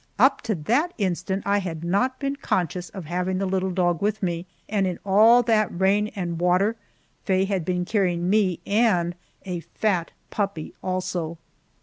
Up to that instant I had not been conscious of having the little dog with me, and in all that rain and water Faye had been carrying me and a fat puppy also.